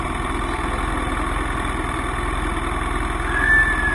এছাড়া সে একজন সফটওয়্যার ইঞ্জিনিয়ার ব্রেইনওয়াশ খেয়ে প্রভাবিত হয়ে পাকিস্তান গিয়েছে।